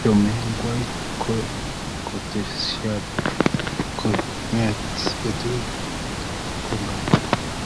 Chomnyeng'wai ko kokotesak kong'ete betutab katunisyeng'wai.